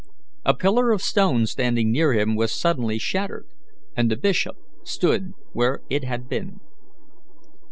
A pillar of stone standing near him was suddenly shattered, and the bishop stood where it had been.